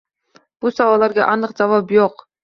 Bu savollarga aniq javob yo‘q.